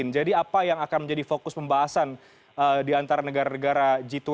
jadi apa yang akan menjadi fokus pembahasan di antara negara negara g dua puluh